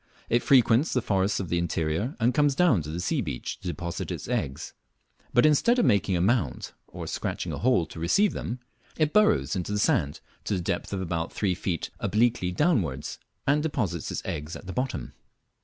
It frequents the forests of the interior, and comes down to the sea beach to deposit its eggs, but instead of making a mound, or scratching a hole to receive them, it burrows into the sand to the depth of about three feet obliquely downwards, and deposits its eggs at the bottom.